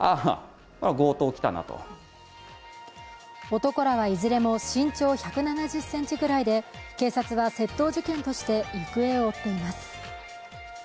男らはいずれも身長１７０ｃｍぐらいで警察は窃盗事件として行方を追っています。